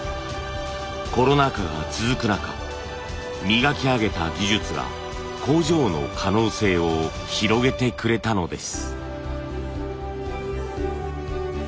コロナ禍が続く中磨き上げた技術が工場の可能性を広げてくれたのです。